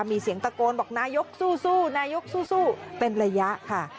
มีเสียงตะโกนบอกนายกสู้นายกสู้เป็นระยะค่ะ